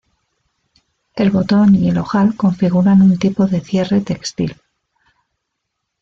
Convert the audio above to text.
El botón y el ojal configuran un tipo de cierre textil.